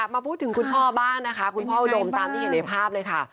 มาพูดถึงคุณพ่อบ้างนะคะคุณพ่ออุดมตามที่เห็นในภาพเลยค่ะ